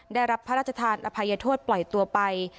ได้รับพระราชทานอภัยโทษปล่อยตัวไป